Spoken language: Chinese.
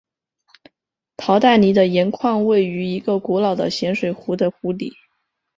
陶代尼的盐矿位于一个古老的咸水湖的湖底。